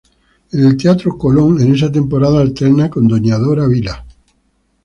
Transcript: En el teatro Colón en esa temporada alterna con Doña Dora Vila.